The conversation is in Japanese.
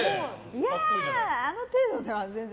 いやー、あの程度では全然。